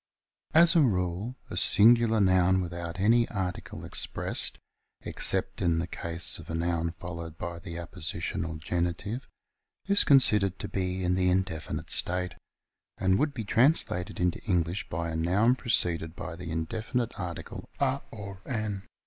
As a rule a singular noun without any article ex pressed, except in the case of a noun followed by the appositional genitive, is considered to be in the in definite state, and would be translated into English by a noun preceded by the indefinite article a or an.